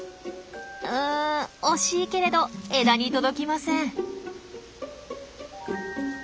うん惜しいけれど枝に届きません。